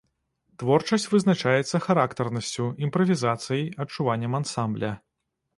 Творчасць вызначаецца характарнасцю, імправізацыяй, адчуваннем ансамбля.